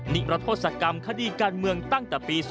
นิรโทษกรรมคดีการเมืองตั้งแต่ปี๒๕